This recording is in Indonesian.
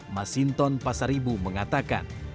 mas hinton pasaribu mengatakan